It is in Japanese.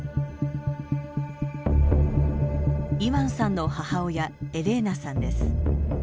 イワンさんの母親エレーナさんです。